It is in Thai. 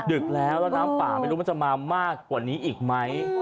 ดึกแล้วแล้วน้ำป่าไม่รู้มันจะมามากกว่านี้อีกไหม